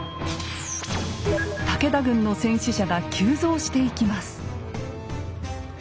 武田軍の戦死者が急増していきます。